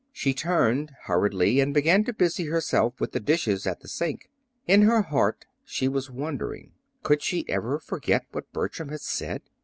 She turned hurriedly and began to busy herself with the dishes at the sink. In her heart she was wondering: could she ever forget what Bertram had said?